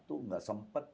itu nggak sempat